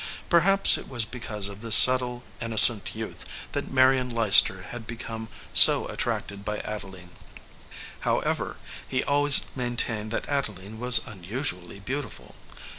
Perhaps it was because of this subtle, innocent youth that Marion Leicester had become so at tracted by Adeline. However, he always main tained that Adeline was unusually beautiful.